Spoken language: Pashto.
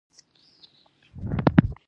جګړه د ملت د خوښۍ خنډ ده